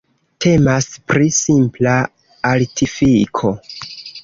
Temas pri simpla artifiko...